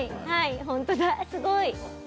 本当だ、すごい。